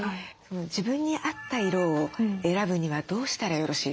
自分に合った色を選ぶにはどうしたらよろしいですか？